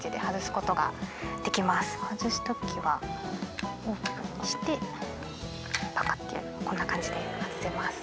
外す時はオープンにしてパカッてやるとこんな感じで外せます。